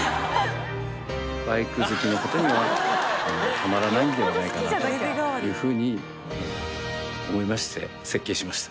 バイク好きの方にはたまらないんではないかなというふうに思いまして設計しました。